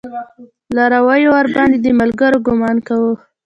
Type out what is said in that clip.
لارويو ورباندې د ملګرو ګمان کوه.